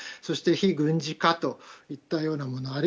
そして非軍事化といったようなもの。